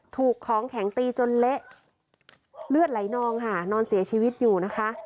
ถูกของแข็งตีจนเละเลือดไหลนองค่ะนอนเสียชีวิตอยู่นะคะ